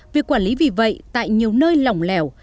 việc quản lý vì vậy tại nhiều nơi lỏng lẻo